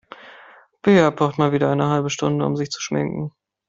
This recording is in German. Bea braucht mal wieder eine halbe Stunde, um sich zu schminken.